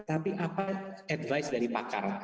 tapi apa advice dari pakar